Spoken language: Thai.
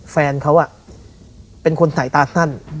แฟนเขาอะเป็นคนสายตาท่าน